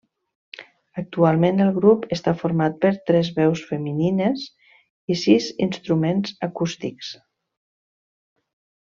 Actualment el grup està format per tres veus femenines i sis instruments acústics.